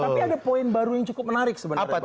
tapi ada poin baru yang cukup menarik sebenarnya